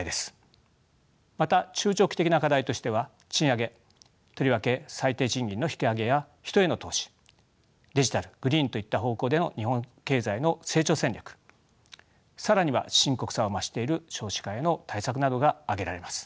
また中長期的な課題としては賃上げとりわけ最低賃金の引き上げや人への投資デジタルグリーンといった方向での日本経済の成長戦略更には深刻さを増している少子化への対策などが挙げられます。